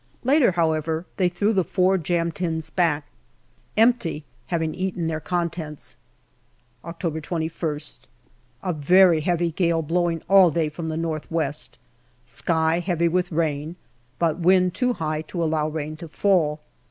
Later, however, they threw the four jam tins back empty having eaten their contents. OCTOBER 249 October 21 si. A very heavy gale blowing all day from the north west. Sky heavy with rain, but wind too high to allow rain to fall.